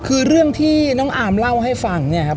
คือเรื่องที่น้องอาร์มเล่าให้ฟังเนี่ยครับ